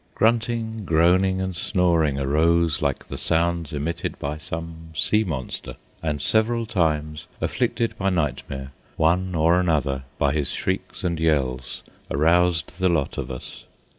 Grunting, groaning, and snoring arose like the sounds emitted by some sea monster, and several times, afflicted by nightmare, one or another, by his shrieks and yells, aroused the lot of us.